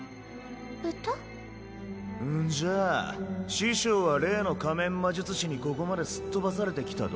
んじゃ師匠は例の仮面魔術士にここまですっ飛ばされてきたと？